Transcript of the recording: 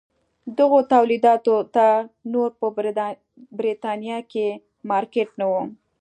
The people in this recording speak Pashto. دغو تولیداتو ته نور په برېټانیا کې مارکېټ نه و.